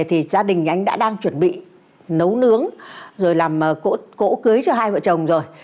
thì gia đình anh đã đang chuẩn bị nấu nướng rồi làm cỗ cưới cho hai vợ chồng rồi